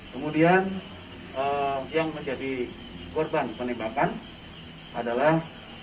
kemudian yang menjadi korban penembakan adalah